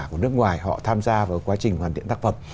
của nước ngoài họ tham gia vào quá trình hoàn thiện tác phẩm